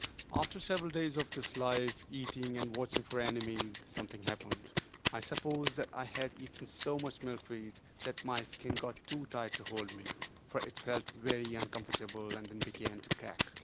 After several days of this life—eating, and watching for enemies—something happened. I suppose that I had eaten so much milkweed that my skin got too tight to hold me, for it felt very uncomfortable and then began to crack.